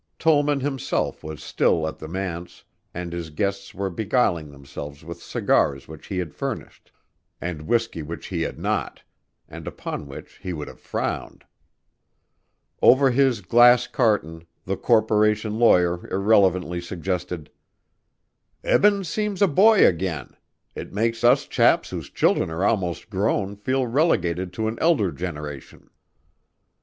Tollman himself was still at the manse, and his guests were beguiling themselves with cigars which he had furnished, and whiskey which he had not and upon which he would have frowned. Over his glass Carton, the corporation lawyer, irrelevantly suggested: "Eben seems a boy again. It makes us chaps whose children are almost grown, feel relegated to an elder generation."